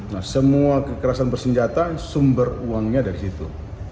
nah semua kekerasan bersenjata sumber uangnya dari situ